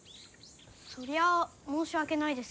そりゃあ申し訳ないですけんど。